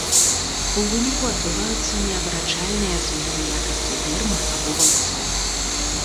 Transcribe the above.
У выніку адбываюцца неабарачальныя змены якасцей дэрмы або валасоў.